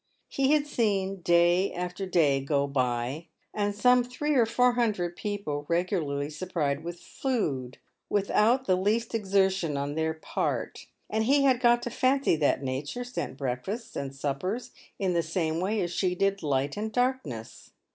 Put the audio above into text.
He had seen day after day go hy and some three or four hundred people regularly supplied with food without the least exertion on their part : and he had got to fancy that nature sent breakfasts and suppers in the same way as she did light and darkness.